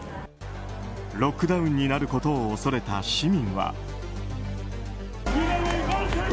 ロックダウンになることを恐れた市民は。